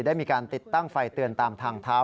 ได้มีการติดตั้งไฟเตือนตามทางเท้า